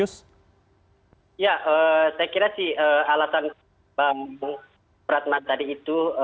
ya saya kira sih alasan bang ratna tadi itu